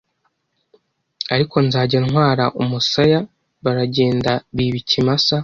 Ariko nzajya ntwara umusaya Baragenda biba ikimasa